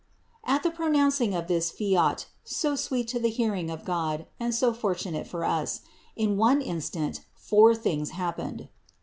At the pronouncing of this "fiat," so sweet to the hearing of God and so fortunate for us, in one in stant, four things happened.